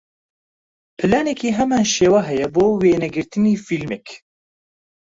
پلانێکی هەمان شێوە هەیە بۆ وێنەگرتنی فیلمێک